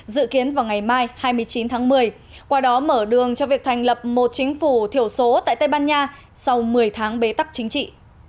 dự kiến vào ngày mai hai mươi chín tháng một mươi qua đó mở đường cho việc thành lập một chính phủ thiểu số tại tây ban nha sau một mươi tháng bế tắc chính trị